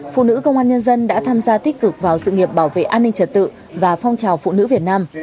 phụ nữ công an nhân dân đã tham gia tích cực vào sự nghiệp bảo vệ an ninh trật tự và phong trào phụ nữ việt nam